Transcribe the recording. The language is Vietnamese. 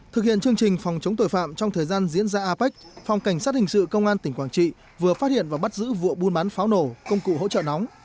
thực hiện chương trình phòng chống tội phạm trong thời gian diễn ra apec phòng cảnh sát hình sự công an tỉnh quảng trị vừa phát hiện và bắt giữ vụ buôn bán pháo nổ công cụ hỗ trợ nóng